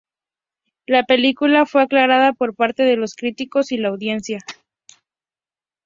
La película fue aclamada por parte de los críticos y la audiencia.